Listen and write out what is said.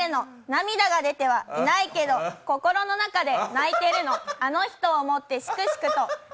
涙が出てはいないけど、心の中で泣いてるのあの人を思ってしくしくと。